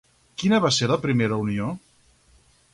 Quina va ser la primera unió?